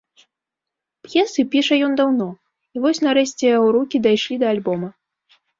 П'есы піша ён даўно, і вось нарэшце яго рукі дайшлі да альбома.